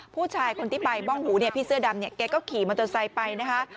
ผู้ชายคนที่ไปมองหูพี่เสื้อดำแกก็ขี่มอเตอร์ไซด์ไปนะคะ